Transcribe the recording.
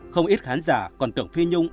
không ít khán giả còn tưởng phi nhung